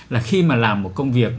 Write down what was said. là khi mà làm một công việc